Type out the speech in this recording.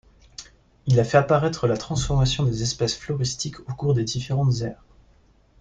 Il a fait apparaître la transformation des espèces floristiques au cours des différentes ères.